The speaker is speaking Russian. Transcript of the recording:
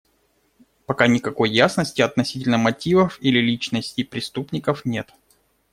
Пока никакой ясности относительно мотивов или личностей преступников нет.